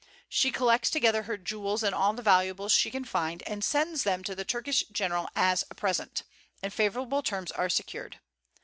She collects together her jewels and all the valuables she can find, and sends them to the Turkish general as a present, and favorable terms are secured.